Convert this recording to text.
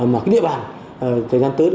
mà cái địa bàn thời gian tới